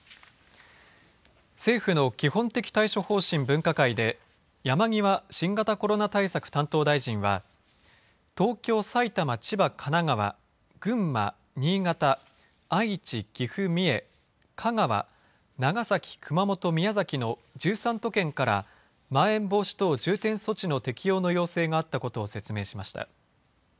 政府の基本的対処方針分科会で山際新型コロナ対策担当大臣は東京、埼玉、千葉、神奈川、群馬、新潟、愛知、岐阜、三重、香川、長崎、熊本、宮崎の１３都県からまん延防止等重点措置の適用の要請があったことを説明しました。